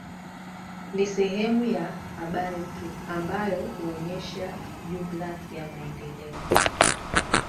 Ni sehemu ya habari tu ambayo huonyesha jumla ya maendeleo